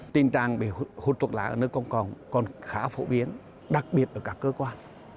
tin rằng hút thuốc lá ở nơi công cộng còn khá phổ biến đặc biệt ở các cơ quan